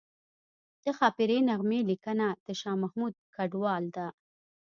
د ښاپیرۍ نغمې لیکنه د شاه محمود کډوال ده